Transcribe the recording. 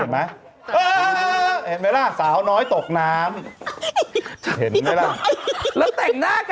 มันรับน้ำหนัก